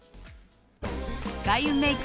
開運メイク